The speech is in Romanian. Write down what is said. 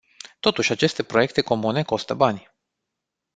Totuși, aceste proiecte comune costă bani.